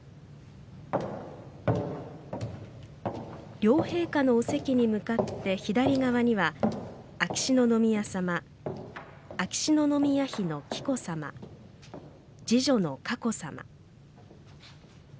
両陛下の御卓に向かって左側には秋篠宮さま秋篠宮妃の紀子さま次女の佳子さま。